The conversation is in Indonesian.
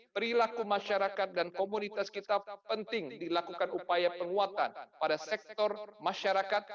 perilaku masyarakat dan komunitas kita penting dilakukan upaya penguatan pada sektor masyarakat